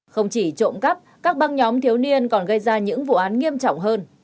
không chỉ trộm cắp các băng nhóm thiếu niên còn gây ra những vụ án nghiêm trọng hơn